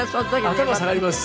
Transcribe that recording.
頭下がります。